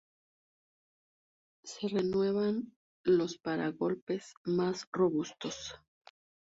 Se renuevan los paragolpes, más robustos.